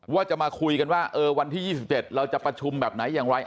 ว่าจะมาคุยกันว่าวันที่๒๗เราจะประชุมแบบไหนอย่างไร